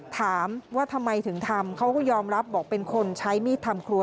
ถามว่าทำไมถึงทำเขาก็ยอมรับบอกเป็นคนใช้มีดทำครัว